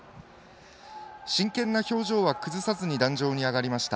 真剣な表情は崩さずに壇上に上がりました。